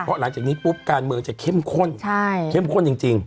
เพราะหลังจากนี้ปุ๊บการโมงจะเค้มข้น